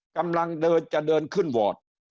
กำลังจะเดินขึ้นบอร์ด